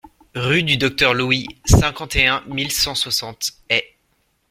Rue du Docteur Louis, cinquante et un mille cent soixante Ay